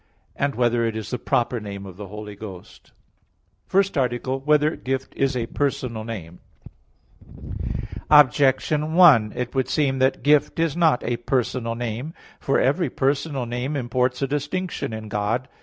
(2) Whether it is the proper name of the Holy Ghost? _______________________ FIRST ARTICLE [I, Q. 38, Art. 1] Whether "Gift" Is a Personal Name? Objection 1: It would seem that "Gift" is not a personal name. For every personal name imports a distinction in God.